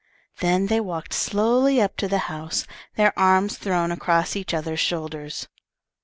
Then they walked slowly up to the house, their arms thrown across each other's shoulders.